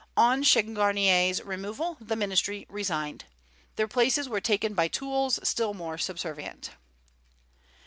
On Changarnier's removal the ministry resigned. Their places were taken by tools still more subservient.